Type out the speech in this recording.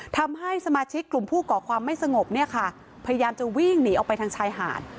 ทำให้สมาชิกกลุ่มผู้ก่อความไม่สงบเนี่ยค่ะพยายามจะวิ่งหนีออกไปทางชายหาด